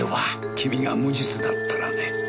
君が無実だったらね。